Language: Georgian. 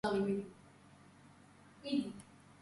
წინასწარ განსაზღვრავენ თამაშისათვის განკუთვნილ დროს.